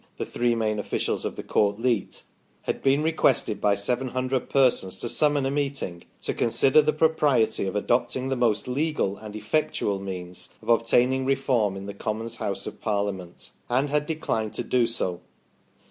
the three main officials of the Court Leet] had been requested by. 700 persons to summon a meeting " to consider the propriety of adopting the most legal and effectual means of obtaining Reform in the Commons House of Parliament," and had declined to do so.